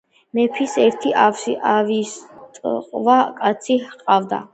მეფეს ერთი ავსიტყვა კაცი ჰყავდა